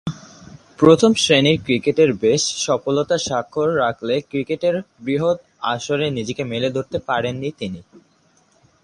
প্রথম-শ্রেণীর ক্রিকেটে বেশ সফলতার স্বাক্ষর রাখলে ক্রিকেটের বৃহৎ আসরে নিজেকে মেলে ধরতে পারেননি তিনি।